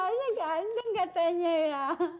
kayaknya ganteng katanya ya